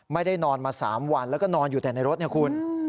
ไม่ได้นอนมา๓วันแล้วก็นอนอยู่แต่ในรถเนี่ยคุณ